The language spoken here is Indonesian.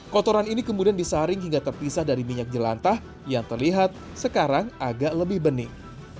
kotoran ini kemudian disaring hingga terpisah dari minyak jelantah yang terlihat sekarang agak lebih benih